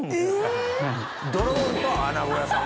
ドローンとあなご屋さん？